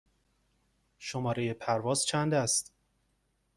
شماره پرواز چند است؟